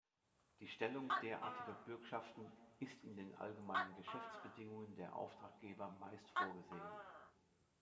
Die Stellung derartiger Bürgschaften ist in den Allgemeinen Geschäftsbedingungen der Auftraggeber meist vorgesehen.